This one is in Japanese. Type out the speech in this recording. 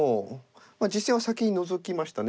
まあ実戦は先にノゾきましたね。